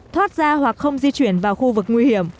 thoát ra hoặc không di chuyển vào khu vực nguy hiểm